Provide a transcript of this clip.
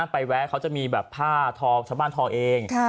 แวะเขาจะมีแบบผ้าทองชาวบ้านทองเอง